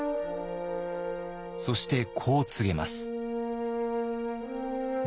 そしてこう告げます。